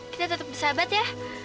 kita tetep bersahabat ya